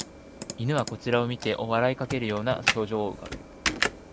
犬はこちらを見て笑いかけるような表情を浮かべる